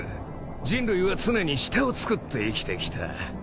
人類は常に下をつくって生きてきた。